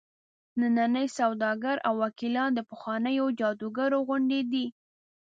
ننني سوداګر او وکیلان د پخوانیو جادوګرو غوندې دي.